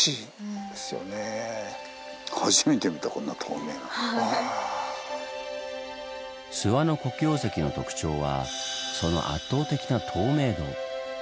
諏訪の黒曜石の特徴はその圧倒的な透明度。